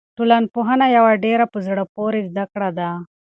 ټولنپوهنه یوه ډېره په زړه پورې زده کړه ده.